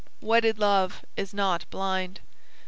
Wedded love is not blind.